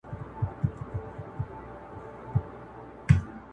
سملاسي یوه کندهاري ته زنګ وواهه